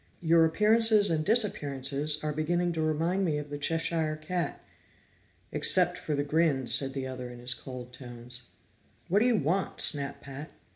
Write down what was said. "Your appearances and disappearances are beginning to remind me of the Cheshire Cat." "Except for the grin," said the other in his cold tones. "What do you want?" snapped Pat.